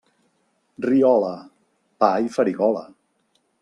Riola, pa i farigola.